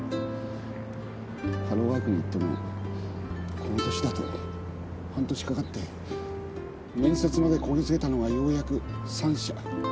ハローワークに行ってもこの年だと半年かかって面接までこぎ着けたのがようやく３社。